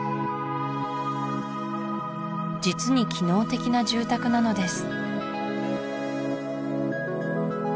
実に機能的な住宅なのです